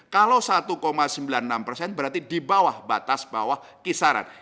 kalau satu sembilan puluh enam persen berarti di bawah batas bawah kisaran